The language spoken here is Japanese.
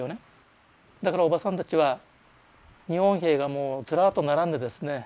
だからおばさんたちは日本兵がもうずらっと並んでですね